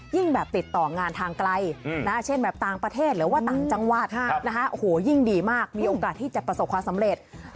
จะค่อนข้างที่จะดีมากประสบความสำเร็จดี